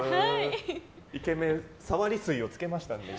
イケメン触り水をつけました。